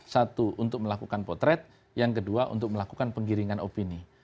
satu untuk melakukan potret yang kedua untuk melakukan penggiringan opini